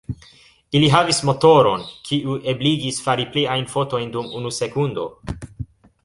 Ili havis motoron, kiu ebligis fari pliajn fotojn dum unu sekundo.